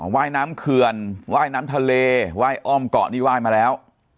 ว่ายน้ำเขื่อนว่ายน้ำทะเลไหว้อ้อมเกาะนี่ไหว้มาแล้ว